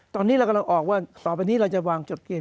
ตอนนี้เรากำลังออกว่าต่อไปนี้เราจะวางจดเกม